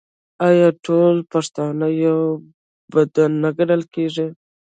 آیا ټول پښتانه یو بدن نه ګڼل کیږي؟